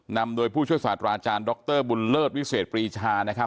นำโดยผู้ช่วยศาสตราอาจารย์ดรบุญเลิศวิเศษปรีชานะครับ